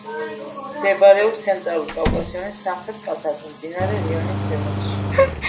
მდებარეობს ცენტრალურ კავკასიონის სამხრეთ კალთაზე, მდინარე რიონის ზემოთში.